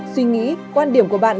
suy nghĩ quan điểm của bạn